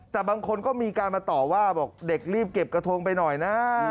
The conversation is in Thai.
แต่บางคนก็มีการมาต่อว่าบอกเด็กรีบเก็บกระทงไปหน่อยนะ